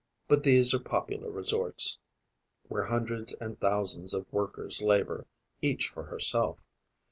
But these are popular resorts, where hundreds and thousands of workers labour, each for herself.